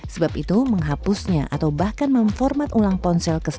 sebab itu menghapusnya atau bahkan memformat ulang ponsel